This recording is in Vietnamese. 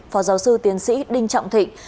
phó giáo sư tiến sĩ đinh trọng thịnh